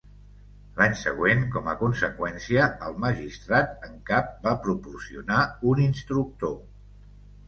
L'any següent, com a conseqüència, el magistrat en cap va proporcionar un instructor.